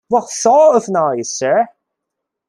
What sort of noise, sir?